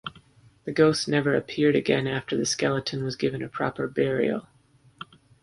The ghost never appeared again after the skeleton was given a proper burial.